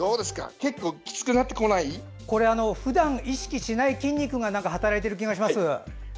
結構、きつくなってこない？ふだん、意識しない筋肉が働いている気がします。